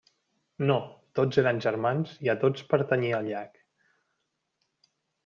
No; tots eren germans i a tots pertanyia el llac.